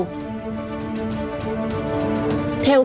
theo thông tin